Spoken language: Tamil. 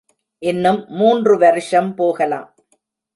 இன்னும் மூன்று வருஷம் போகலாம்.